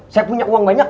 saya punya uang banyak